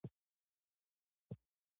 انګلیسیان به له هغوی سره متحد قوت جوړ کړي.